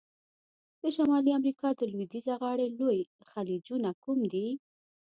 د شمالي امریکا د لویدیځه غاړي لوی خلیجونه کوم دي؟